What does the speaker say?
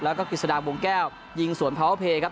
แล้วก็กฤษฎาวงแก้วยิงสวนพาวเพย์ครับ